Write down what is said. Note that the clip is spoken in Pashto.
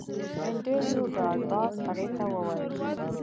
انډریو ډاټ باس هغې ته وویل